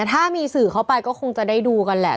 ถ้ามีสื่อเข้าไปก็คงจะได้ดูกันแหละ